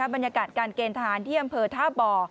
บรรยากาศการเกณฑ์ทหารที่อำเภอท่าบ่อ